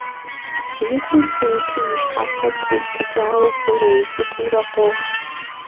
И кум псы иту, и щхьэфэр тещтыкӀауэ, хъурей цӀыкӀуурэ къох.